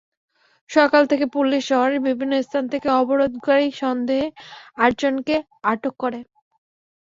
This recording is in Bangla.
সকাল থেকে পুলিশ শহরের বিভিন্ন স্থান থেকে অবরোধকারী সন্দেহে আটজনকে আটক করে।